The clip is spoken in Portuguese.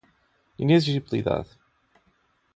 inexigibilidade